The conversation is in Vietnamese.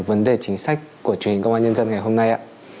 vấn đề chính sách của truyền hình công an nhân dân ngày hôm nay ạ